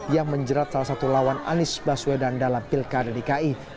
yang menjerat salah satu lawan anies baswedan dalam pilkada dki